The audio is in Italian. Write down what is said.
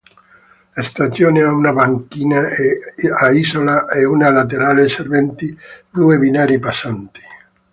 La stazione ha una banchina a isola e una laterale serventi due binari passanti